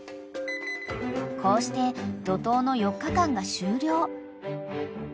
［こうして怒濤の４日間が終了］